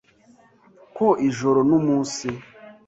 Ko ijoro n'umunsi